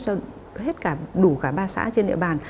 cho hết cả đủ cả ba xã trên địa bàn